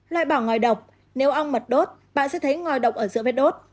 loại bảo ngoài độc nếu ong mật đốt bạn sẽ thấy ngoài độc ở giữa vết đốt